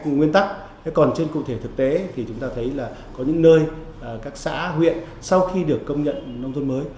nguyên tắc còn trên cụ thể thực tế thì chúng ta thấy là có những nơi các xã huyện sau khi được công nhận nông thôn mới